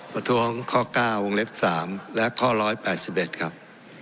ประท้วงข้อ๙วงเล็บ๓และข้อ๑๘๑ครับ